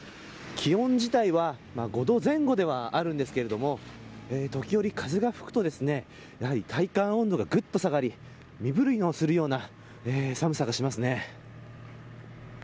気温自体は、５度前後ではあるんですけれども時折、風が吹くとやはり体感温度がぐっと下がり身震いのするような寒さがしますね。